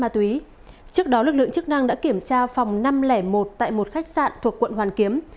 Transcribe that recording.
trước đó lực lượng chức năng đã kiểm tra phòng năm trăm linh một tại một khách sạn thuộc quận hoàn kiếm